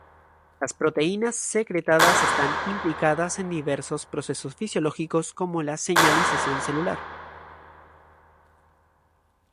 Las proteínas secretadas están implicadas en diversos procesos fisiológicos como la señalización celular.